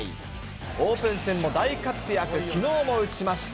オープン戦も大活躍、きのうも打ちました。